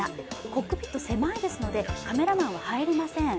コックピット狭いですのでカメラマンは入れません。